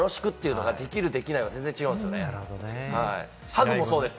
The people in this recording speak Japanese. よろしく！っていうのができる、できないで全然違うと思うんです。